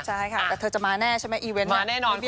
ใช่ค่ะแต่เธอจะมาแน่ใช่ไหมอีเวนต์นี้แน่นอน